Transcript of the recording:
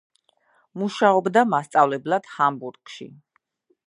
მუშაობდა მასწავლებლად ჰამბურგში.